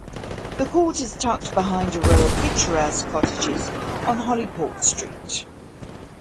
The court is tucked behind a row of picturesque cottages on Holyport Street.